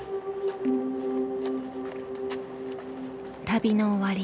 旅の終わり。